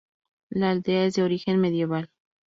La aldea es de origen medieval.